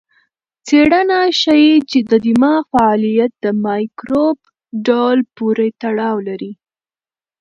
څېړنه ښيي چې د دماغ فعالیت د مایکروب ډول پورې تړاو لري.